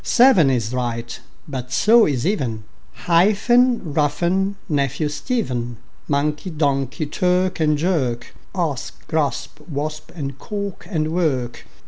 Seven is right, but so is even; Hyphen, roughen, nephew, Stephen; Monkey, donkey; clerk and jerk; Asp, grasp, wasp; and cork and work.